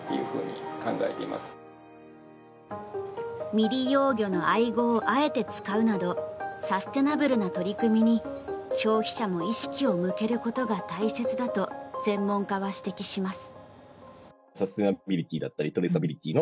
未利用魚のアイゴをあえて使うなどサステナブルな取り組みに消費者も意識を向けることが大切だと専門家は指摘します。